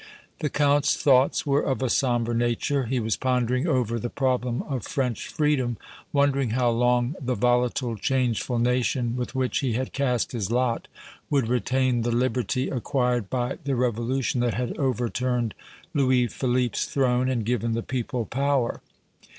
The Count's thoughts were of a sombre nature; he was pondering over the problem of French freedom, wondering how long the volatile, changeful nation with which he had cast his lot would retain the liberty acquired by the revolution that had overturned Louis Philippe's throne and given the people power.